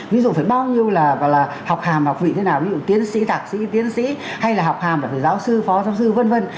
ví dụ phải bao nhiêu là học hàm học vị thế nào ví dụ tiến sĩ thạc sĩ tiến sĩ hay là học hàm là phải giáo sư phó giáo sư v v